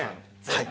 はい。